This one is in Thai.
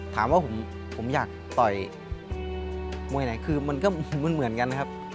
ถามว่าผมอยากต่อยมวยไหนคือมันก็มันเหมือนกันนะครับ